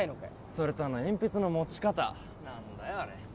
それとあの鉛筆の持ち方何だよあれ